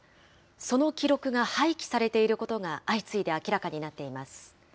その記録が廃棄されていることが、相次いで明らかになっています。